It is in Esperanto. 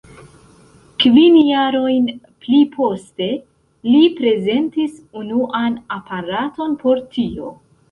Kvin jarojn pli poste, li prezentis unuan aparaton por tio.